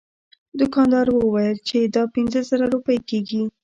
دوکاندار وویل چې دا پنځه زره روپۍ کیږي.